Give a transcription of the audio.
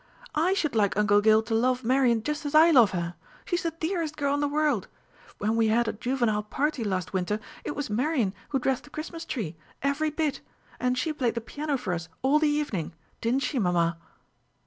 "I should like uncle Gil to love Marian just as I love her. She is the dearest girl in the world. When we had a juvenile party last winter, it was Marian who dressed the Christmas tree every bit; and she played the piano for us all the evening, didn't she, mamma?"